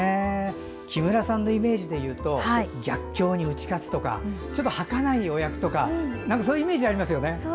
木村さんのイメージですと逆境に打ち勝つとかちょっとはかない役とかそういうイメージがありますね。